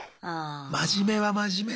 真面目は真面目で。